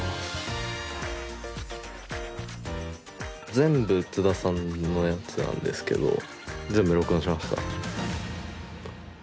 全部津田さんのやつなんですけど全部録音しました。